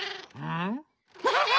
ん？